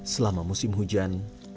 selama musim hujan